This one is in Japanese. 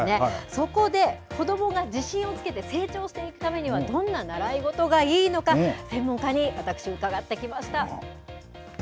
そこで、子どもが自信をつけて成長していくためにはどんな習い事がいいのか、専門家に私、伺ってきました。